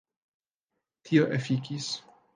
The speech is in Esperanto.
Tio efikis.